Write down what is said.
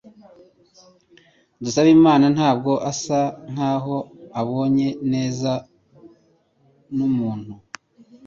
Dusabemana ntabwo asa nkaho abanye neza numuntu.